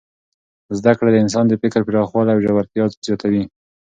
زده کړه د انسان د فکر پراخوالی او ژورتیا زیاتوي.